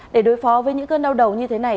để đối phó với những cơn đau đầu như thế này